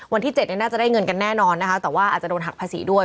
วันที่๗น่าจะได้เงินกันแน่นอนนะคะแต่ว่าอาจจะโดนหักภาษีด้วย